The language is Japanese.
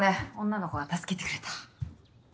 女の子が助けてくれた。